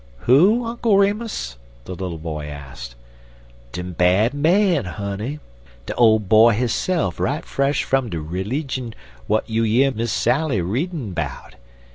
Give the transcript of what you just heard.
"Who, Uncle Remus?" the little boy asked. "De Bad Man, honey; de Ole Boy hisse'f right fresh from de ridjun w'at you year Miss Sally readin' 'bout.